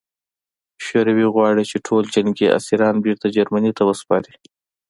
شوروي غواړي چې ټول جنګي اسیران بېرته جرمني ته وسپاري